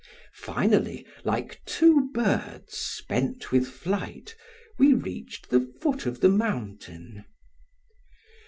Finally, like two birds, spent with flight, we reached the foot of the mountain.